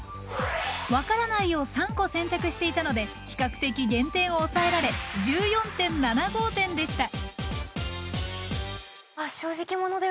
「わからない」を３個選択していたので比較的減点を抑えられ１４．７５点でした。